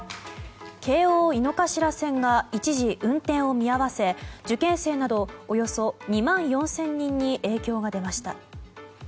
京王井の頭線が一時運転を見合わせ受験生などおよそ２万４０００人に影響が出ました。